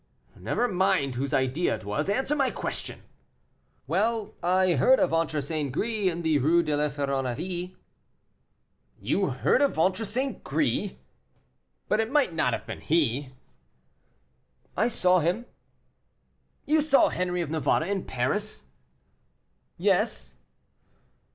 "Never mind whose idea it was; answer my question." "Well! I heard a 'Ventre St. Gris' in the Rue de la Ferronnerie." "You heard a 'Ventre St. Gris!' But it might not have been he." "I saw him." "You saw Henri of Navarre in Paris?" "Yes."